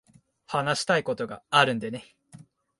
話したいことがあるんでね。